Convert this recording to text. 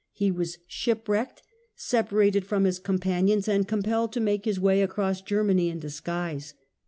He was shipwrecked, separated from his companions, and compelled to make his way across Germany in disguise.